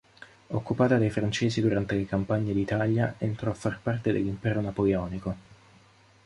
Occupata dai francesi durante le Campagne d'Italia, entrò a far parte dell'impero napoleonico.